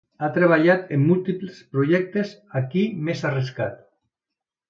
Ha treballat en múltiples projectes a quin més arriscat.